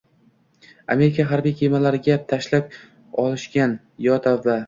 Amerika harbiy kemalariga tashlab o‘lishgan… Yo tavba!